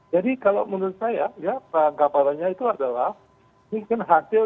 jadi kalau menurut saya ya peranggapannya itu adalah mungkin hasil